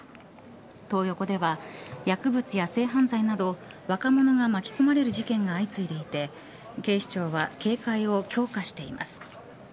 トー横では薬物や性犯罪など若者が巻き込まれる事件が相次いでいて警視庁は警戒を強化しています。